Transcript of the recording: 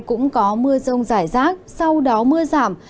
cũng có mưa rông rải rác sau đó mưa giảm